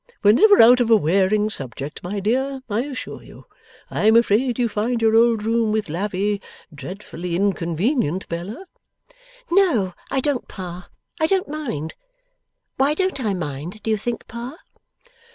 We're never out of a wearing subject, my dear, I assure you. I am afraid you find your old room with Lavvy, dreadfully inconvenient, Bella?' 'No I don't, Pa; I don't mind. Why don't I mind, do you think, Pa?